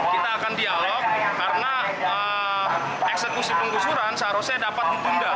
kita akan dialog karena eksekusi penggusuran seharusnya dapat ditunda